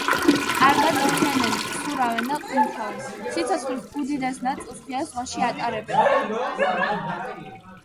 კარგად ფრენენ, ცურავენ და ყვინთავენ, სიცოცხლის უდიდეს ნაწილს ღია ზღვაში ატარებენ.